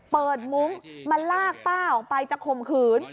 มุ้งมาลากป้าออกไปจะข่มขืน